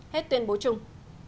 hết tuyên bố chung